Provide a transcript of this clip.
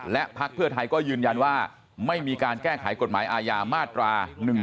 และพักเพื่อไทยก็ยืนยันว่าไม่มีการแก้ไขกฎหมายอาญามาตรา๑๑๒